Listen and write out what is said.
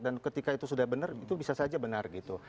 dan ketika itu sudah benar itu bisa saja benar gitu